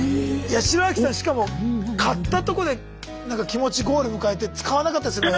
八代亜紀さんしかも買ったとこでなんか気持ちゴール迎えて使わなかったりするもの